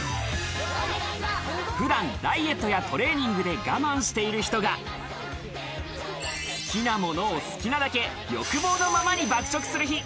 普段ダイエットやトレーニングで我慢している人が、好きなものを好きなだけ、欲望のままに爆食する日。